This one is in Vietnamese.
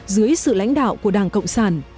dưới sự lãnh đạo của đảng cộng sản